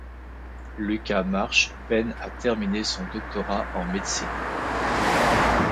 Lucas Marsh peine à terminer son doctorat en médecine.